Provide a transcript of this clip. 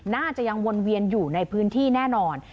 น่าจะยังวนเวียนอยู่ในพื้นที่แน่นอน